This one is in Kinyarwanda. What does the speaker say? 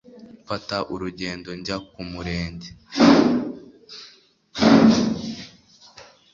Mfata urugendo njya ku murenge